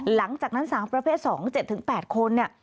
หลังจากนั้นสาวประเภท๒๗๘คนเนี่ย